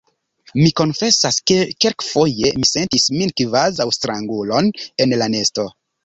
Mi konfesas, ke kelkafoje mi sentis min kvazaŭ strangulo en la nesto.